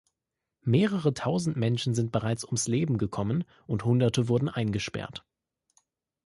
Mehrere tausend Menschen sind bereits ums Leben gekommen, und Hunderte wurden eingesperrt.